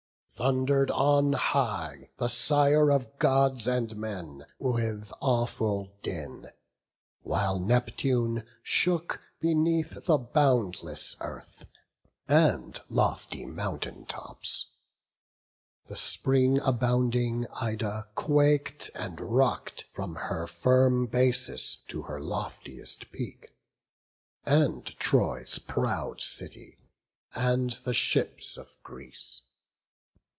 Thunder'd on high the Sire of Gods and men With awful din; while Neptune shook beneath The boundless earth, and lofty mountain tops. The spring abounding Ida quak'd and rock'd From her firm basis to her loftiest peak, And Troy's proud city, and the ships of Greece.